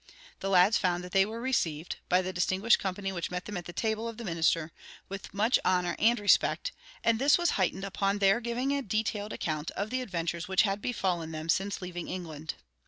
The lads found that they were received, by the distinguished company which met them at the table of the minister, with much honor and respect, and this was heightened upon their giving a detailed account of the adventures which had befallen them since leaving England.